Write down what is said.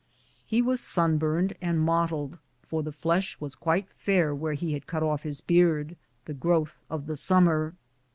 He was sunburnt and mottled, for the flesh was quite fair where he had cut his beard, the growth of the sum mer.